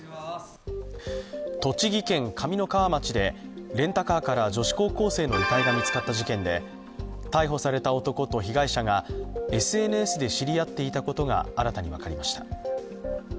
栃木県上三川町でレンタカーから女子高校生の遺体が見つかった事件で逮捕された男と被害者がＳＮＳで知り合っていたことが新たに分かりました。